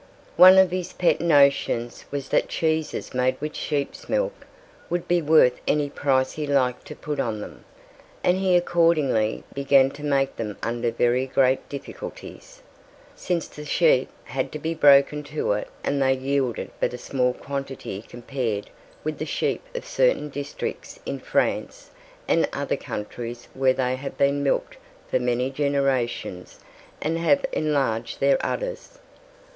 One of his pet notions was that cheeses made with sheep's milk would be worth any price he liked to put on them, and he accordingly began to make them under very great difficulties, since the sheep had to be broken to it and they yielded but a small quantity compared with the sheep of certain districts in France and other countries where they have been milked for many generations and have enlarged their udders.